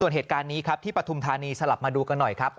ส่วนเหตุการณ์นี้ครับที่ปฐุมธานีสลับมาดูกันหน่อยครับ